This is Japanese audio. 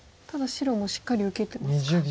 ただ白もしっかり受けてますか。